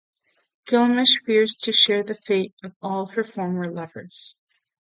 Gilgamesh fears to share the fate of all her former lovers.